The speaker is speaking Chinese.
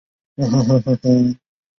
无刺猪笼草为藤本植物。